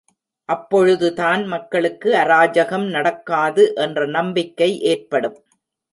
அப்பொழுதுதான் மக்களுக்கு அராஜகம் நடக்காது என்ற நம்பிக்கை ஏற்படும்.